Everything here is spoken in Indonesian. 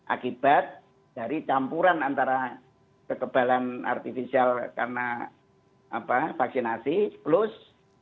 akibat dari campuran antara kekebalan artifisial karena vaksinasi plus